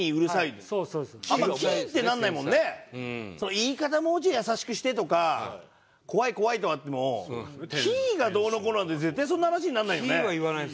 「言い方もうちょい優しくして」とか「怖い怖い」とかあってもキーがどうのこうのなんて絶対そんな話になんないよね。